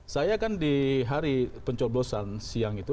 saya kan di hari pencoblosan siang itu